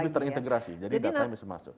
lebih terintegrasi jadi data bisa masuk